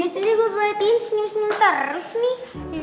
tadi gue proyekin senyum senyum terus nih